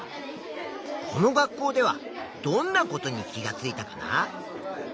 この学校ではどんなことに気がついたかな？